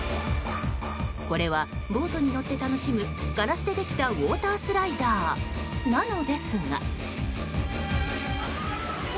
これはボートに乗って楽しむガラスでできたウォータースライダーなのですが。